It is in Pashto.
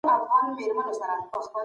دلایل باید دومره قوي وي چي ټول یې ومني.